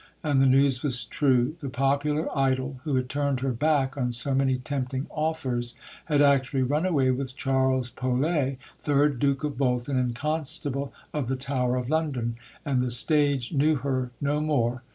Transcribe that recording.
And the news was true. The popular idol, who had turned her back on so many tempting offers, had actually run away with Charles Paulet, third Duke of Bolton and Constable of the Tower of London; and the stage knew her no more.